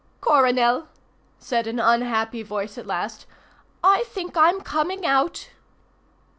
"Coronel," said an unhappy voice at last, "I think I'm coming out."